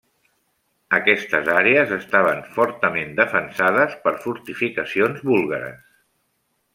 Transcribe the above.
Aquestes àrees estaven fortament defensades per fortificacions búlgares.